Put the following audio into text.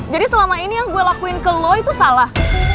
jadi selama ini yang gue lakuin ke lo itu salah